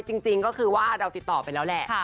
จริงก็คือว่าเราติดต่อไปแล้วแหละ